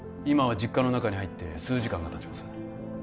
今は実家の中に入って数時間がたちます